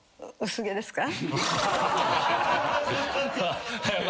「薄毛ですか？」